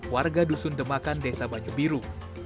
warga dusun demakan desa banyu biru